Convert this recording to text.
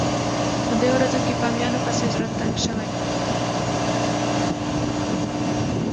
په دې ورځو کې بامیانو پسې زړه تنګ شوی.